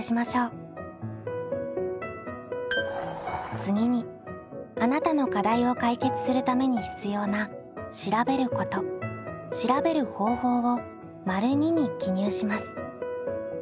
次にあなたの課題を解決するために必要な「調べること」「調べる方法」を②に記入します。